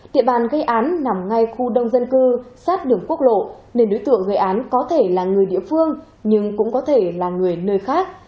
địa bàn gây án nằm ngay khu đông dân cư sát đường quốc lộ nên đối tượng gây án có thể là người địa phương nhưng cũng có thể là người nơi khác